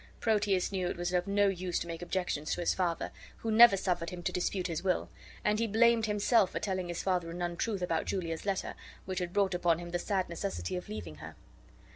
Proteus knew it was of no use to make objections to his father, who never suffered him to dispute his will; and he blamed himself for telling his father an untruth about Julia's letter, which had brought upon him the sad necessity of leaving her.